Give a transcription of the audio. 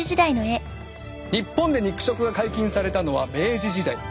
日本で肉食が解禁されたのは明治時代。